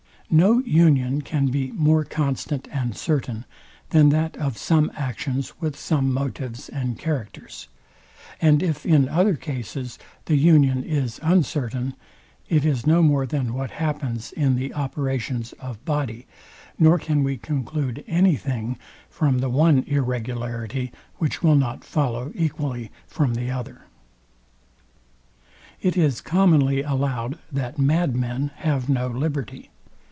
No union can be more constant and certain, than that of some actions with some motives and characters; and if in other cases the union is uncertain, it is no more than what happens in the operations of body, nor can we conclude any thing from the one irregularity, which will not follow equally from the other. It is commonly allowed that mad men have no liberty.